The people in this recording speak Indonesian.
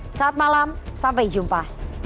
selamat malam sampai jumpa